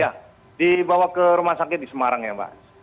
ya dibawa ke rumah sakit di semarang ya mbak